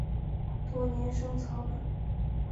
多年生草本。